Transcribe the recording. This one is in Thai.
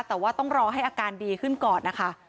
แต่ว่าต้องรอให้อาการดีขึ้นก่อนนะคะ